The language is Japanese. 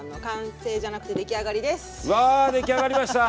わ出来上がりました。